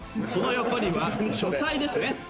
その横には書斎ですね。